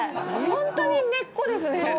ホントに根っこですね。